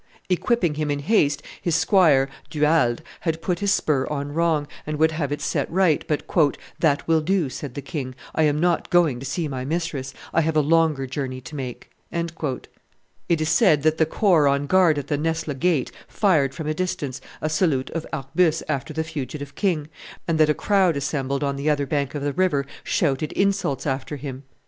Equipping him in haste, his squire, Du Halde, had put his spur on wrong, and would have set it right, but, "That will do," said the king; "I am not going to see my mistress; I have a longer journey to make." It is said that the corps on guard at the Nesle gate fired from a distance a salute of arquebuses after the fugitive king, and that a crowd assembled on the other bank of the river shouted insults after him.